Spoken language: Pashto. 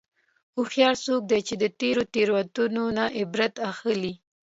هوښیار څوک دی چې د تېرو تېروتنو نه عبرت اخلي.